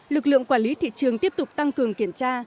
lực lượng quản lý thị trường tiếp tục tăng cường kiểm tra